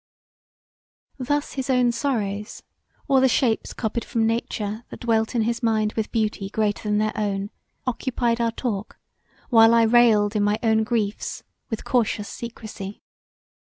Thus his own sorrows, or the shapes copied from nature that dwelt in his mind with beauty greater than their own, occupied our talk while I railed in my own griefs with cautious secresy.